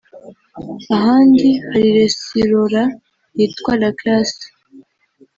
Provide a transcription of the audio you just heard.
ahandi hari Resirora yitwa La Classe